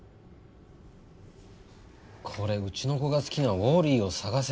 これうちの子が好きな「ウォーリーをさがせ！」